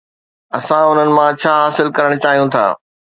اسان انهن مان ڇا حاصل ڪرڻ چاهيون ٿا؟